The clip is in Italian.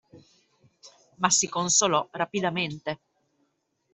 Ma si consolò rapidamente.